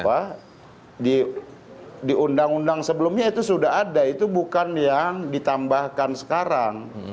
apa di undang undang sebelumnya itu sudah ada itu bukan yang ditambahkan sekarang